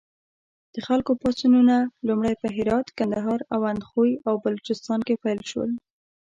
د خلکو پاڅونونه لومړی په هرات، کندهار، اندخوی او بلوچستان کې پیل شول.